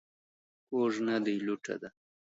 کوږ نه دى ، لوټه ده.